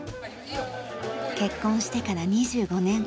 結婚してから２５年。